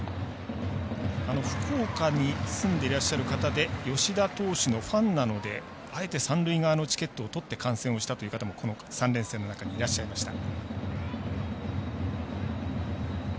福岡に住んでいらっしゃる方で吉田投手のファンなのであえて三塁側のチケットを取って観戦をしたという方も３連戦の中でいらっしゃいました。